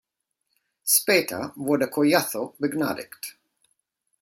Später wurde Collazo begnadigt.